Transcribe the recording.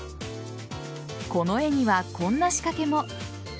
この絵にはこんな仕掛けも。